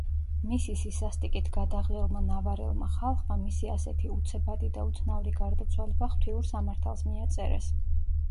მისი სისასტიკით გადაღლილმა ნავარელმა ხალხმა, მისი ასეთი უცებადი და უცნაური გარდაცვალება ღვთიურ სამართალს მიაწერეს.